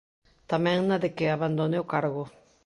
Tamén na de que abandone o cargo.